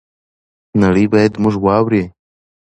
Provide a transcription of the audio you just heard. نړۍ بايد موږ واوري.